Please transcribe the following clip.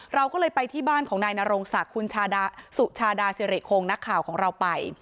เราก็เลยไปที่บ้านของนายนโรงศักดิ์คุณสุชาดาสิริคงนักข่าวของเราไป